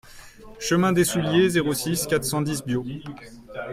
Chemin des Soullieres, zéro six, quatre cent dix Biot